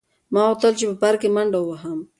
ما غوښتل چې په پارک کې منډه وهم.